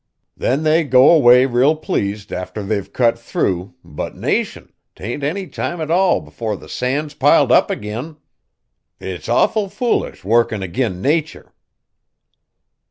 Then they go away real pleased after they've cut through, but nation! 't ain't any time 't all 'fore the sand's piled up agin. It's awful foolish workin' agin Nater."